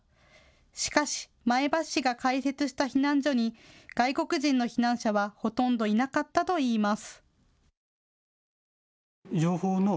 しかし前橋市が開設した避難所に外国人の避難者はほとんどいなかったといいます。